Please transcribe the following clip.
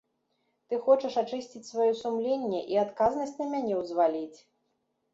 Ты хочаш ачысціць сваё сумленне і адказнасць на мяне ўзваліць?